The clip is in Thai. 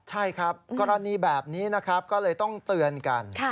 ใช่ครับกรณีแบบนี้นะครับก็เลยต้องเตือนกัน